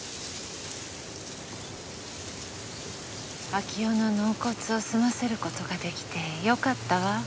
明夫の納骨を済ませる事が出来てよかったわ。